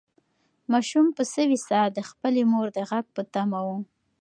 ماشوم په سوې ساه د خپلې مور د غږ په تمه و.